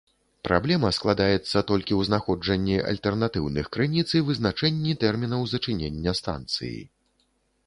Праблема складаецца толькі ў знаходжанні альтэрнатыўных крыніц і вызначэнні тэрмінаў зачынення станцыі.